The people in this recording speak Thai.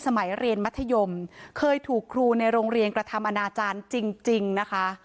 สมัยเรียนมัธยมเคยถูกครูในโรงเรียนกระทำอนาจารย์จริงนะคะ